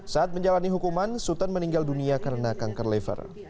saat menjalani hukuman sultan meninggal dunia karena kanker lever